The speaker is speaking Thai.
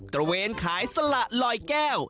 ระเวนขายสละลอยแก้ว